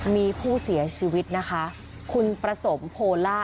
มีผู้เสียชีวิตนะคะคุณประสมโพล่า